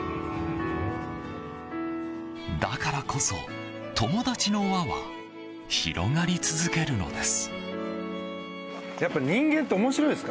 だからこそ友達の輪は広がり続けるのです。